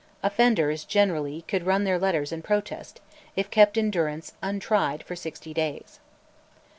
Offenders, generally, could "run their letters" and protest, if kept in durance untried for sixty days.